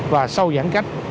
và sau giãn cách